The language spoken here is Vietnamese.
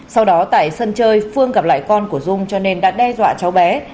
sau đó tại sân chơi phương gặp lại con của dung cho nên đã đe dọa cháu bé